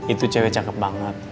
itu cewe cakep banget